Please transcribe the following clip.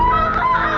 aku ni tanpa j trabalha